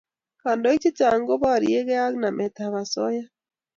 Kandoik chechang" ko barieg'ei ak namet ab asoya